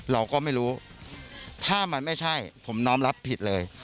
เราก็ไม่รู้ถ้ามันไม่ใช่ผมน้อมรับผิดเลย